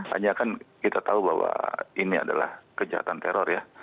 hanya kan kita tahu bahwa ini adalah kejahatan teror ya